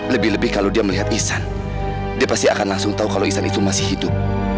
lebih lebih kalau dia melihat ihsan dia pasti akan langsung tahu kalau ihsan itu masih hidup